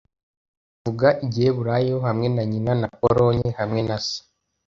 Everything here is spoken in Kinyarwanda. Avuga Igiheburayo hamwe na nyina na Polonye hamwe na se.